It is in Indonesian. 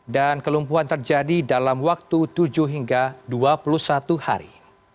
dan kelumpuhan terjadi dalam waktu tujuh hingga dua puluh satu hari